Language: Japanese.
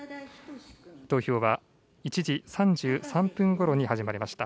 投票は１時３３分ごろに始まりました。